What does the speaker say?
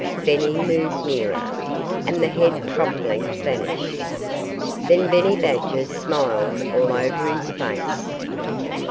Benny moved nearer. And the head promptly vanished. Then Benny Badger smiled all over his face.